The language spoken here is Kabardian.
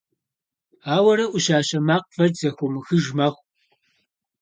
Ауэрэ ӏущащэ макъ фӏэкӏ зэхыумыхыж мэхъу.